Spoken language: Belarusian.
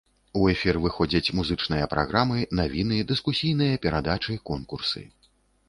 У эфір выходзяць музычныя праграмы, навіны, дыскусійныя перадачы, конкурсы.